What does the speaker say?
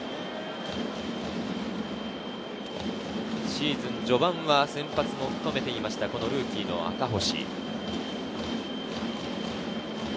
シーズン序盤は先発を務めていたルーキー・赤星。